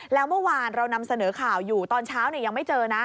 แล้วเมื่อวานเรานำเสนอข่าวอยู่ตอนเช้ายังไม่เจอนะ